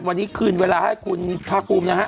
วันนี้ก็รีบเดินเวลาให้คุณพระคุมนะฮะ